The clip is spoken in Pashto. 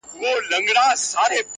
کرۍ شپه به وه پرانیستي دوکانونه،